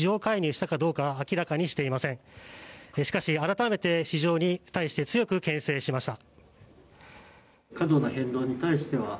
しかし、改めて市場に対して強くけん制しました。